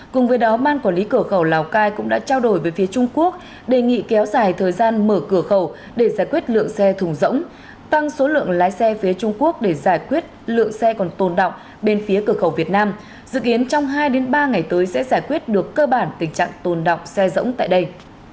cùng với đó ban quản lý cửa khẩu lào cai cũng đã trao đổi với phía trung quốc đề nghị kéo dài thời gian mở cửa khẩu để giải quyết lượng xe thùng rỗng tăng số lượng lái xe phía trung quốc để giải quyết lượng xe còn tồn đọng bên phía cửa khẩu việt nam dự kiến trong hai ba ngày tới sẽ giải quyết được cơ bản tình trạng tồn động xe rỗng tại đây